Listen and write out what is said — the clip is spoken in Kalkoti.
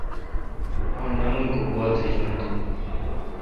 مٹھ نہ من کو گوا تھجیون ۔